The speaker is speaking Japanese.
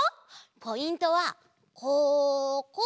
ポイントはここ。